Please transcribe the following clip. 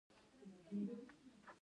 ایا ډیرې اوبه څښئ؟